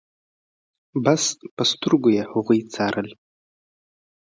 بس په سترګو يې هغوی څارل.